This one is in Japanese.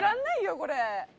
これ。